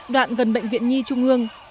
đoạn gần bệnh viện nhi trung ương